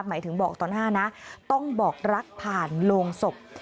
หมายถึงบอกต่อหน้านะต้องบอกรักผ่านโรงศพ